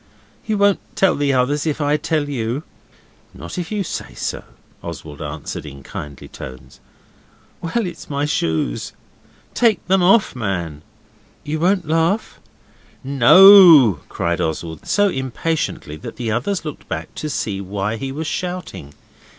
'You won't tell the others if I tell you?' 'Not if you say not,' Oswald answered in kindly tones. 'Well, it's my shoes.' 'Take them off, man.' 'You won't laugh?' 'NO!' cried Oswald, so impatiently that the others looked back to see why he was shouting.